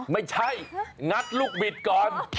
ไม่ใช่งัดลูกบิดก่อน